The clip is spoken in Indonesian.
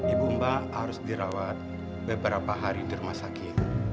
ibu mbak harus dirawat beberapa hari di rumah sakit